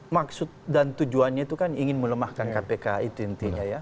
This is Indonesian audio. maksud dan tujuannya itu kan ingin melemahkan kpk itu intinya ya